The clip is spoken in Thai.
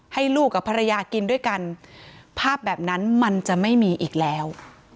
ให้ลูกกับภรรยากินด้วยกันภาพแบบนั้นมันจะไม่มีอีกแล้ว